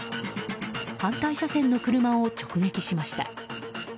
反対車線の車を直撃しました。